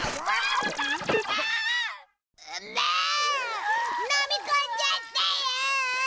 もうのみ込んじゃったよ！